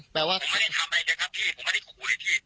ผมไม่ได้ทำอะไรเลยครับพี่ผมไม่ได้ขอบคุมเลยพี่